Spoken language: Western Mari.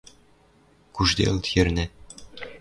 Кушделыт йӹрнӓ